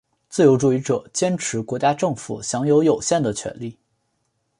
自由主义者坚持国家政府享有有限的权力。